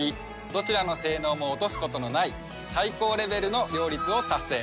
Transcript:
どちらの性能も落とすことのない最高レベルの両立を達成。